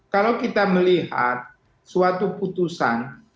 kalau kita melihat suatu putusan